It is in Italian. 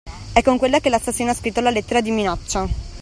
È con quella che l'assassino ha scritto la lettera di minaccia.